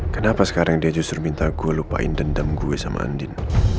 kenapa sekarang dia justru minta gue lupain dendam gue sama andin